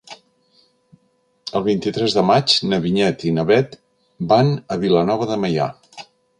El vint-i-tres de maig na Vinyet i na Bet van a Vilanova de Meià.